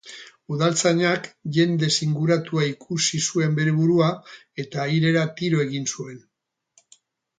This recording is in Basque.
Udaltzainak jendez inguratua ikusi zuen bere burua eta airera tiro egin zuen.